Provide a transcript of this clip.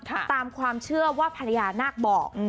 ตามความเชื่อว่าภรรยานาคบอก